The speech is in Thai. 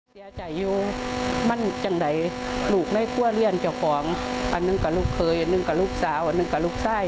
แบบทำละป๋านี่พอกับป้วย